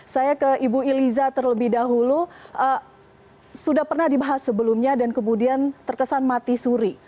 saya ke ibu iliza terlebih dahulu sudah pernah dibahas sebelumnya dan kemudian terkesan mati suri